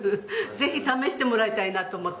ぜひ試してもらいたいなと思って。